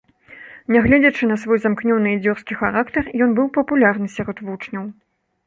Нягледзячы на свой замкнёны і дзёрзкі характар, ён быў папулярны сярод вучняў.